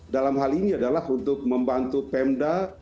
dalam hal ini adalah untuk membantu pemda